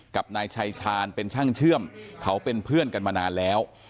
กับนายชายชาญเป็นช่างเชื่อมเขาเป็นเพื่อนกันมานานแล้ว